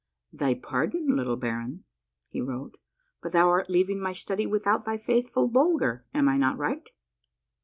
" Thy pardon, little baron," he wrote, " but thou art leaving my study without thy faithful Bulger ; am I not right?"